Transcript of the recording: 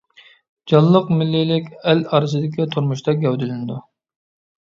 جانلىق مىللىيلىك ئەل ئارىسىدىكى تۇرمۇشتا گەۋدىلىنىدۇ.